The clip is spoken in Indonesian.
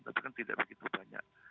tapi kan tidak begitu banyak